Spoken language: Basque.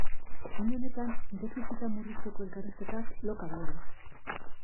Une honetan defizita murrizteko elkarrizketak loka daude.